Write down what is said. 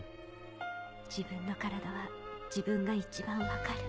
自分の体は自分が一番分かる。